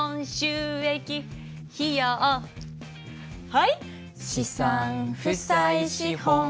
はい！